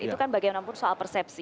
itu kan bagaimanapun soal persepsi